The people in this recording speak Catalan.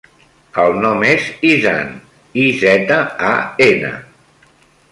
El nom és Izan: i, zeta, a, ena.